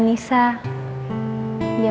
pasti kenapa per remedies